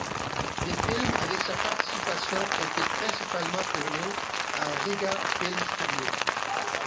Les films avec sa participation étaient principalement tournés à Riga Film Studio.